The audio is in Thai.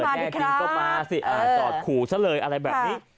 แน่จริงก็มาสิจอดขู่ซะเลยอะไรแบบนี้